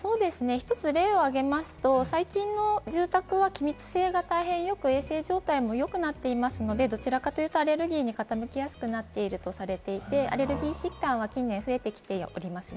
１つ例を挙げますと、最近の住宅は気密性が大変よく、衛生状態もよくなっていますので、どちらかというとアレルギーに傾きやすくなっているとされていて、アレルギー疾患も近年増えておりますね。